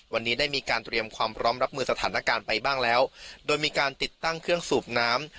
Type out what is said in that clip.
วันนี้ได้มีการเตรียมความพร้อมรับมือสถานการณ์ไปบ้างแล้วโดยมีการติดตั้งเครื่องสูบน้ำ